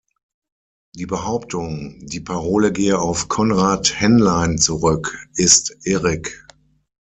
Die Behauptung, die Parole gehe auf Konrad Henlein zurück, ist irrig.